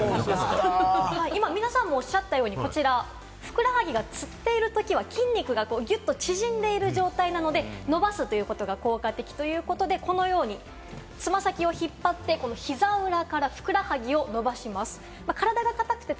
今、皆さん、おっしゃったように、ふくらはぎがつっている時は、筋肉がギュッと縮んでいる状態なので、伸ばすということが効果的ということで、このように爪先を引っ張って、膝裏からふくらはぎを伸ばします。